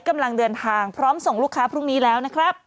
กำลังเดินทางพร้อมส่งลูกค้าพรุ่งนี้แล้วนะครับ